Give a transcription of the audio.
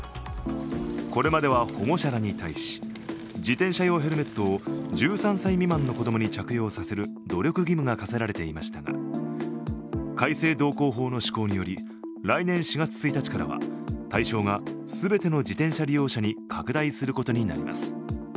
これまでは保護者らに対し、自転車用ヘルメットを１３歳未満の子供に着用させる努力義務が課せられていましたが改正道交法の施行により来年４月１日からは対象が全ての自転車利用者に拡大することになります。